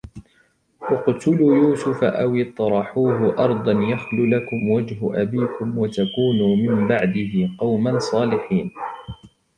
اقْتُلُوا يُوسُفَ أَوِ اطْرَحُوهُ أَرْضًا يَخْلُ لَكُمْ وَجْهُ أَبِيكُمْ وَتَكُونُوا مِنْ بَعْدِهِ قَوْمًا صَالِحِينَ